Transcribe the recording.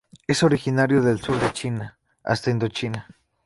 Es originario del sur de China hasta Indochina.